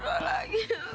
ya allah ya allah